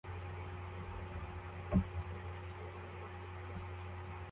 abantu batatu bahagaze hafi yabo bambaye amakoti hamwe nabandi bantu inyuma